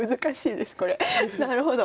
なるほど。